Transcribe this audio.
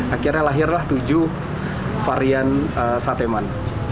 akhirnya lahirlah tujuh varian sate man